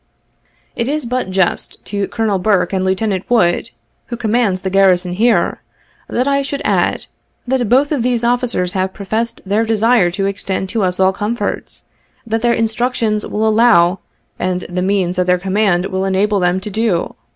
It is but just to Colonel Burke and Lieutenant Wood, who commands the garrison here, that I should add, that both of those officers have professed their desire to extend to us all comforts, that their instructions will allow, and the means at their command will enable them to do.